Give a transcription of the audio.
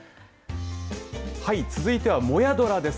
続いては、もやドラです。